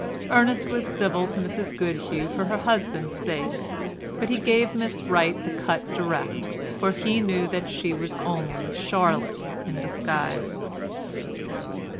Ernest was civil to Mrs Goodhew for her husband's sake, but he gave Miss Wright the cut direct, for he knew that she was only Charlotte in disguise.